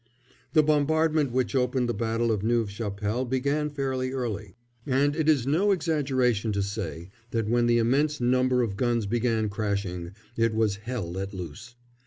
The bombardment which opened the battle of Neuve Chapelle began fairly early, and it is no exaggeration to say that when the immense number of guns began crashing it was hell let loose.